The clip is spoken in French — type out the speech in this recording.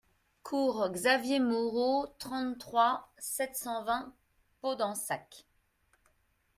Cours Xavier Moreau, trente-trois, sept cent vingt Podensac